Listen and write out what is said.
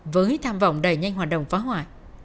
với tham vọng đẩy nhanh hoạt động phá hoại